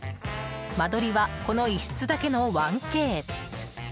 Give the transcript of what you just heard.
間取りは、この一室だけの１Ｋ。